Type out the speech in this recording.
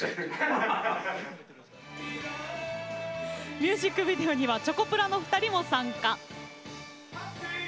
ミュージックビデオにはチョコプラの２人も参加。